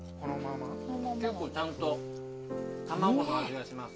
ちゃんと卵の味がします。